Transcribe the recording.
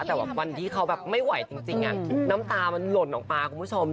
แต่วันที่เขาแบบไม่ไหวจริงน้ำตามันหล่นออกมาคุณผู้ชม